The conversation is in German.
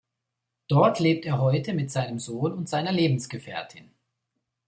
Dort lebt er heute mit seinem Sohn und seiner Lebensgefährtin.